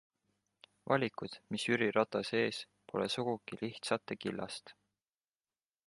Valikud, mis Jüri Ratase ees, pole sugugi lihtsate killast.